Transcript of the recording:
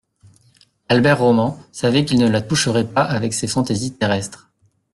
Albert Roman savait qu’il ne la toucherait pas avec ces fantaisies terrestres.